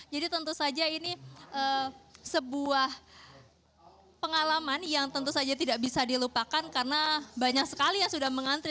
jadi tentu saja ini sebuah pengalaman yang tentu saja tidak bisa dilupakan karena banyak sekali yang sudah mengantri